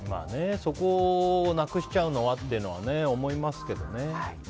そこをなくしちゃうのはって思いますけどね。